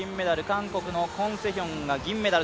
韓国のクォン・セヒョンが金メダル。